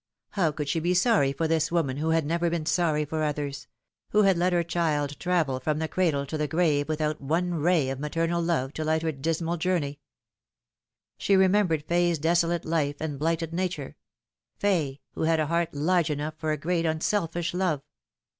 How could she be sorry for this woman who had never been sorry for others ; who had let her child travel from the cradle to the grave without one ray of maternal love to light her dismal journey ! She remembered Fay's desolate life and blighted nature Fay, who had a heart large enough for a great unselfish love.